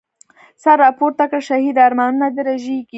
سر راپورته کړه شهیده، ارمانونه دي رژیږی